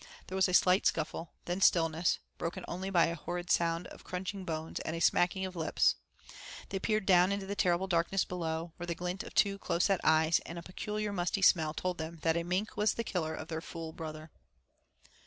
There was a slight scuffle, then stillness, broken only by a horrid sound of crunching bones and a smacking of lips. They peered down into the terrible darkness below, where the glint of two close set eyes and a peculiar musty smell told them that a mink was the killer of their fool brother.